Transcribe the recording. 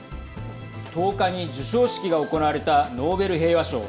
１０日に授賞式が行われたノーベル平和賞。